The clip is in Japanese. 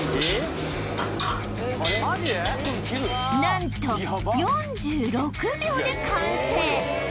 何と４６秒で完成